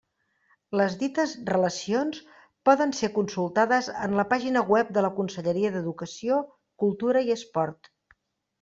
Les dites relacions poden ser consultades en la pàgina web de la Conselleria d'Educació, Cultura i Esport.